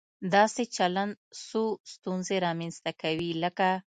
داسې چلن څو ستونزې رامنځته کوي، لکه